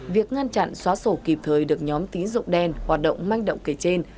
việc ngăn chặn xóa sổ kịp thời được nhóm tín dụng đen hoạt động manh động kể trên